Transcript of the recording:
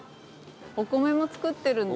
お米も作ってるんですね。